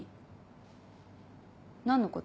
何のこと？